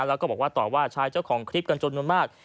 แล้วก็บอกว่าต่อว่าชายเจ้าของคลิปกันจำนวนมาก